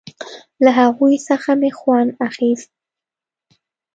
له هغو څخه مې خوند اخيست.